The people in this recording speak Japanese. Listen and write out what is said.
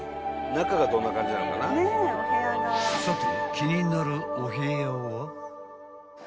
［さて］